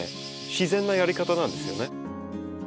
自然なやり方なんですよね。